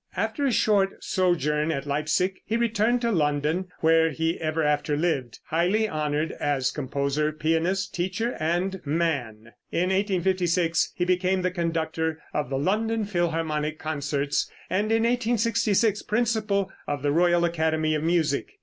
After a short sojourn at Leipsic he returned to London, where he ever after lived, highly honored as composer, pianist, teacher and man. In 1856 he became the conductor of the London Philharmonic concerts, and in 1866 principal of the Royal Academy of Music.